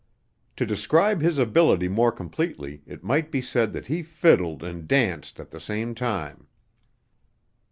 To describe his ability more completely it might be said that he fiddled and danced at the same time.